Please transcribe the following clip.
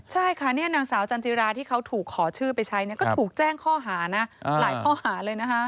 ใช่ค่ะนางสาวจันจิราที่เขาถูกขอชื่อไปใช้ก็ถูกแจ้งข้อหานะหลายข้อหาเลยนะคะ